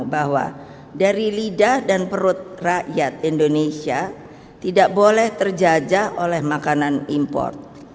bahwa dari lidah dan perut rakyat indonesia tidak boleh terjajah oleh makanan impor